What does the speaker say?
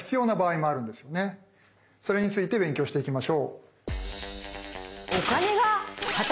それについて勉強していきましょう。